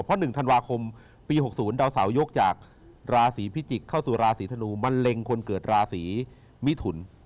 เพราะ๑ธันวาคมปี๖๐ดาวเสายกจากราศีพิจิกษ์เข้าสู่ราศีธนูมันเล็งคนเกิดราศีมิถุน